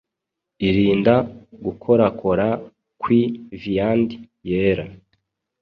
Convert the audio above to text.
Irinda gukorakora kwi viand yera